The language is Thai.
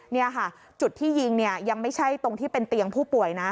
นี่ค่ะจุดที่ยิงเนี่ยยังไม่ใช่ตรงที่เป็นเตียงผู้ป่วยนะ